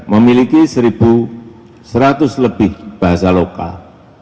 memiliki satu seratus lebih bahasa lokal